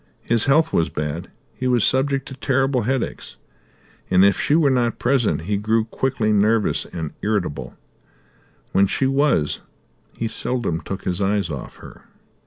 His health was bad, he was subject to terrible headaches, and if she were not present he grew quickly nervous and irritable; when she was, he seldom took his eyes off her.